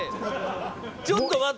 ちょっと待って！